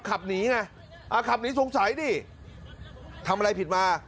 ขับหนีไงอ่าขับหนีสงสัยดิทำอะไรผิดมา